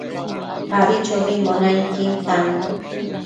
Abichobimbo nainquin tannu